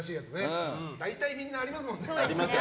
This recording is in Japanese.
大体みんなありますもんね。